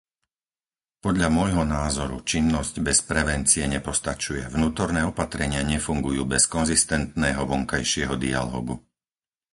Podľa môjho názoru činnosť bez prevencie nepostačuje, vnútorné opatrenia nefungujú bez konzistentného vonkajšieho dialógu.